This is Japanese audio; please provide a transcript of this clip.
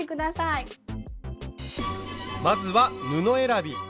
まずは布選び。